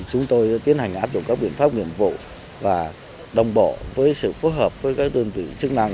chúng tôi tiến hành áp dụng các biện pháp nghiệp vụ và đồng bộ với sự phối hợp với các đơn vị chức năng